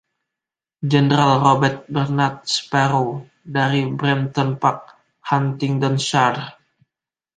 Jenderal Robert Bernard Sparrow dari Brampton Park, Huntingdonshire.